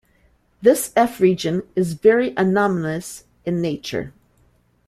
This F region is very anomalous in nature.